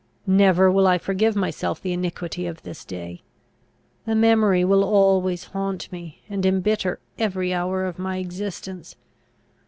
Never will I forgive myself the iniquity of this day. The memory will always haunt me, and embitter every hour of my existence.